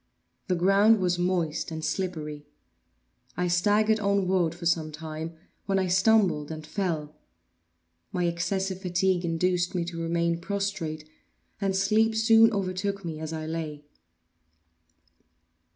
The ground was moist and slippery. I staggered onward for some time, when I stumbled and fell. My excessive fatigue induced me to remain prostrate; and sleep soon overtook me as I lay.